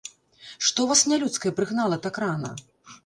Што вас нялюдскае прыгнала так рана?